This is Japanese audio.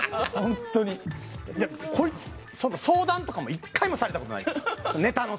こいつ、相談とかも１回もされたことないんです。